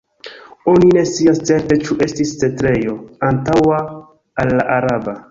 Oni ne scias certe ĉu estis setlejo antaŭa al la araba.